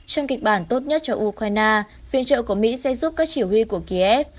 trong kịch bản tốt nhất cho ukraine viện trợ của mỹ sẽ giúp các chỉ huy của kiev